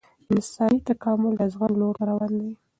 انساني تکامل د زغم لور ته روان دی